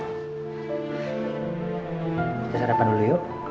kita sarapan dulu yuk